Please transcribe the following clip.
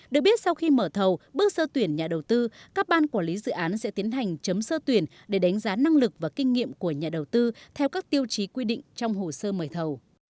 được biết sau khi mở thầu bước sơ tuyển nhà đầu tư các ban quản lý dự án sẽ tiến hành chấm sơ tuyển để đánh giá năng lực và kinh nghiệm của nhà đầu tư theo các tiêu chí quy định trong hồ sơ mời thầu